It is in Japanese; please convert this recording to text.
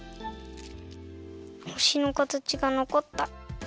ほしのかたちがのこった！